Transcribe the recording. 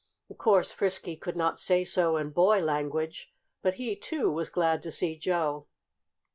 Of course Frisky could not say so in boy language, but he, too, was glad to see Joe.